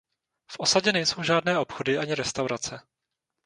V osadě nejsou žádné obchody ani restaurace.